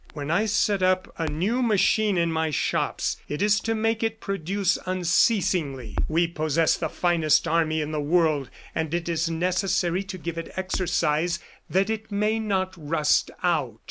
When I set up a new machine in my shops, it is to make it produce unceasingly. We possess the finest army in the world, and it is necessary to give it exercise that it may not rust out."